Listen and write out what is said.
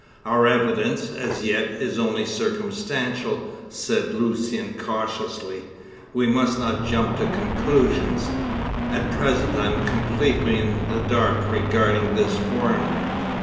"Our evidence, as yet, is only circumstantial," said Lucian cautiously. "We must not jump to conclusions. At present I am completely in the dark regarding this foreigner."